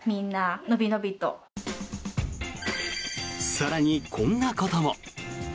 更に、こんなことも。